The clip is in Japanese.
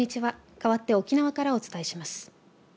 かわって沖縄からお伝えします。